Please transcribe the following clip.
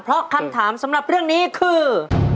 เพราะคำถามสำหรับเรื่องนี้คือ